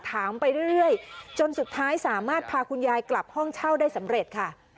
ถามไปเรื่อยจนสุดท้ายสามารถพาคุณยายกลับห้องเช่าได้สำเร็จค่ะ